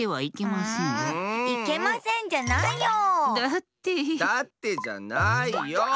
いけませんじゃないよ！